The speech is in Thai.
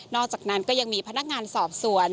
อกจากนั้นก็ยังมีพนักงานสอบสวน